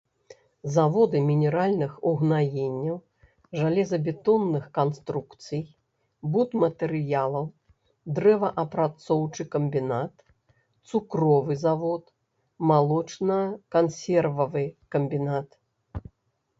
Заводы мінеральных угнаенняў, жалезабетонных канструкцый, будматэрыялаў, дрэваапрацоўчы камбінат, цукровы завод, малочна-кансервавы камбінат.